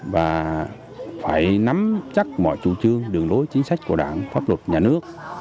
và phải nắm chắc mọi chủ trương đường lối chính sách của đảng pháp luật nhà nước